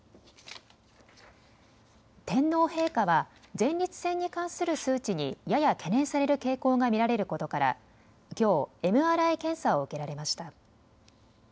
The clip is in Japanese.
天皇陛下は前立腺に関する数値にやや懸念される傾向が見られることから、きょうＭＲＩ検査を受けられました。